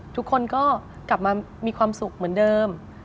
ทุกคนก็กลับมามีความสุขเหมือนเดิม